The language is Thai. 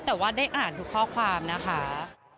แต่ว่าได้อ่านทุกข้อความนะคะ